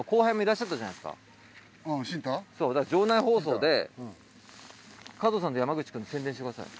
そうだから場内放送で『加藤さんと山口くん』宣伝してください。